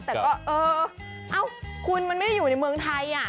แต่ก็เออเอ้าคุณมันไม่ได้อยู่ในเมืองไทย